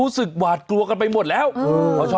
เบิร์ตลมเสียโอ้โห